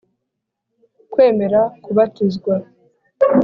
Kwemera kubatizwa.